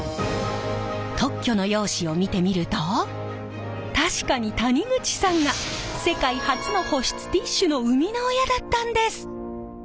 特許の用紙を見てみると確かに谷口さんが世界初の保湿ティッシュの生みの親だったんです！